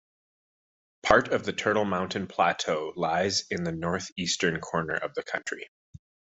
Part of the Turtle Mountain plateau lies in the northeastern corner of the county.